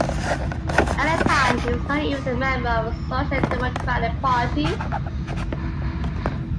At the time, he was not even a member of the Social Democratic Party.